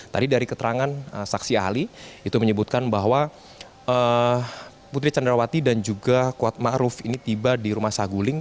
tadi dari keterangan saksi ahli itu menyebutkan bahwa putri candrawati dan juga kuatma aruf ini tiba di rumah saguling